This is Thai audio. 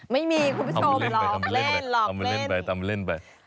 ไม่มีคุณผู้ชมหรอกเล่นหลอกเล่นเลย